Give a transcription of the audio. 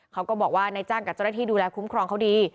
เขาก็บอกว่านายจ้างกับเจ้าหน้าที่ดูแลคุ้มครองเขาดี